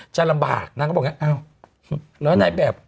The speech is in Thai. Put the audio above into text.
จะลำบากนางก็บอกอย่างนี้อ้าวแล้วในแบบ